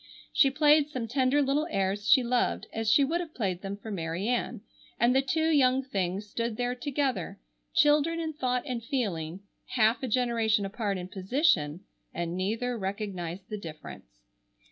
She played some tender little airs she loved as she would have played them for Mary Ann, and the two young things stood there together, children in thought and feeling, half a generation apart in position, and neither recognized the difference.